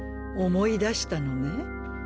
思い出したのね